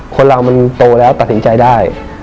คนเรามันโตแล้วตัดสินใจได้